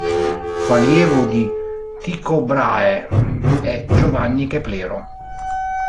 Fu allievo di Tycho Brahe e Giovanni Keplero.